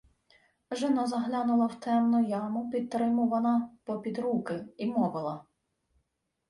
Жона заглянула в темну яму, підтримувана попід руки, й мовила: